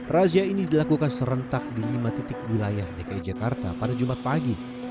razia ini dilakukan serentak di lima titik wilayah dki jakarta pada jumat pagi